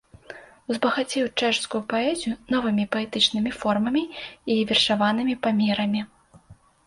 Узбагаціў чэшскую паэзію новымі паэтычнымі формамі і вершаванымі памерамі.